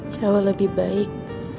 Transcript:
jauh lebih baik